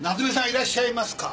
いらっしゃいますか？